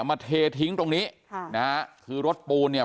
มาเททิ้งตรงนี้ค่ะนะฮะคือรถปูนเนี่ย